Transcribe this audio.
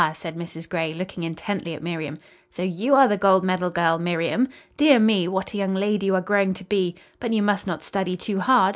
said Mrs. Gray, looking intently at Miriam. "So you are the gold medal girl, Miriam? Dear me, what a young lady you are growing to be! But you must not study too hard.